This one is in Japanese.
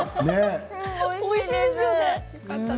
おいしいです。